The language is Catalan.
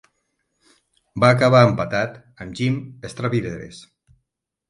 Va acabar empatat amb Jim Stravrides.